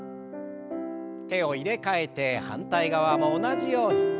手を入れ替えて反対側も同じように。